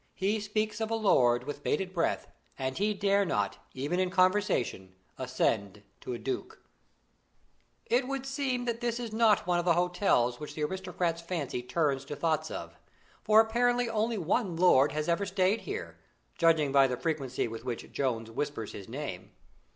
He speaks of a lord with bated breath, and he dare not, even in conversation, ascend to a duke. [Illustration: "THE ONLY JONES."] "It would seem that this is not one of the hotels which the aristocrat's fancy turns to thoughts of; for apparently only one lord has ever stayed here, judging by the frequency with which Jones whispers his name.